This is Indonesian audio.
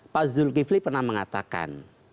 pak zul gifli pernah mengatakan